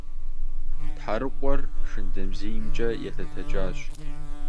Тхьэрыкъуэр шындэбзиймкӏэ елъэтэкӏащ.